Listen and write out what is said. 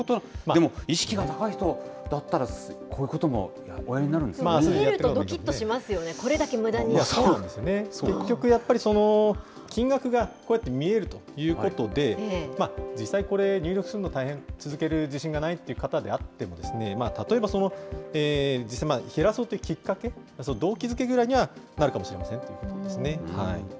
でも、意識が高い人だったら、こういうこともおやりになるんですどきっとしますよね、これだ結局、やっぱり金額がこうやって見えるということで、実際これ、入力するの大変、続ける自信がないという方であっても、例えば実際減らそうというきっかけ、動機づけぐらいにはなるかもしれませんということですね。